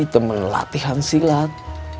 temen latihan silat